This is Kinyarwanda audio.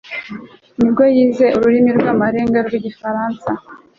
ni bwo yize ururimi rw'amarenga rw'igifaransa.